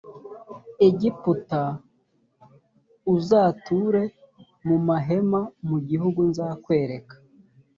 egiputa uzature mu mahema mu gihugu nzakwereka